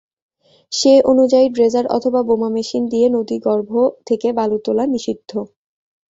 সে অনুযায়ী ড্রেজার অথবা বোমা মেশিন দিয়ে নদীগর্ভ থেকে বালু তোলা নিষিদ্ধ।